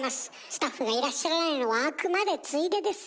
スタッフがいらっしゃらないのはあくまでついでです。